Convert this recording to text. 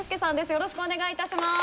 よろしくお願いします。